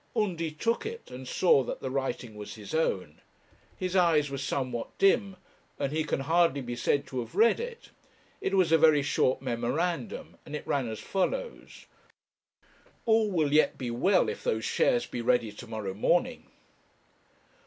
Undy took it, and saw that the writing was his own; his eyes were somewhat dim, and he can hardly be said to have read it. It was a very short memorandum, and it ran as follows: 'All will yet be well, if those shares be ready to morrow morning.'